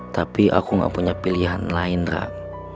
tapi aku gak punya pilihan lain rak